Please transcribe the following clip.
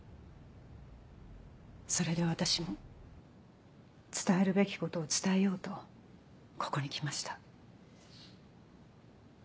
それで私も伝えるべきことを伝えようとここに来ました。